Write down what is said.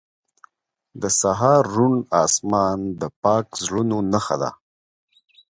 • د سهار روڼ آسمان د پاک زړونو نښه ده.